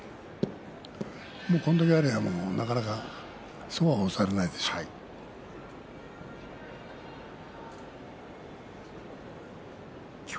これだけあればなかなかそうは押されないでしょう。